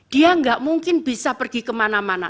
dia nggak mungkin bisa pergi kemana mana